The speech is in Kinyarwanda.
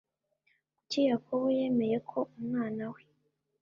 kuki yakobo yemeye ko umwana we